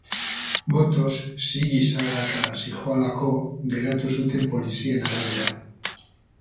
Motoz, sigi-sagaka zihoalako geratu zuten polizien arabera.